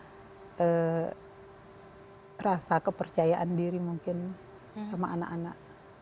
karena rasa kepercayaan diri mungkin sama anak anak